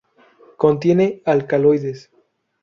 Contiene alcaloides.